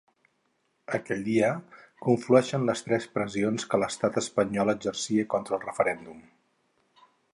Aquell dia, conflueixen les tres pressions que l’estat espanyol exercia contra el referèndum.